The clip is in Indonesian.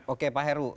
oke pak heru